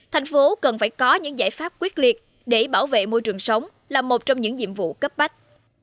thành phố cần phải có những giải pháp quyết liệt để bảo vệ môi trường sống là một trong những nhiệm vụ cấp bách